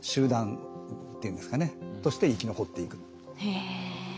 へえ。